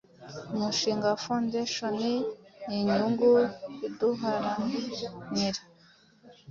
Umushinga wa Foundation ni inyungu iduharanira